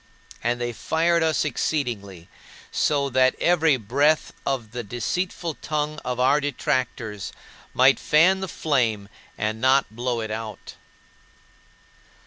And they fired us exceedingly, so that every breath of the deceitful tongue of our detractors might fan the flame and not blow it out.